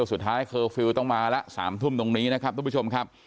เคอร์ฟิลล์ต้องมาละ๓ทุ่มตรงนี้นะครับทุกผู้ชมครับ